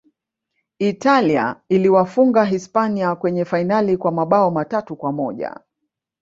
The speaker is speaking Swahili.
italia iliwafunga hispania kwenye fainali kwa mabao matatu kwa moja